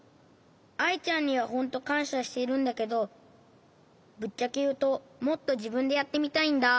アイちゃんにはほんとかんしゃしてるんだけどぶっちゃけいうともっとじぶんでやってみたいんだ。